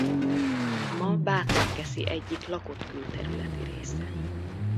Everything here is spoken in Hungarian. Ma Bátorkeszi egyik lakott külterületi része.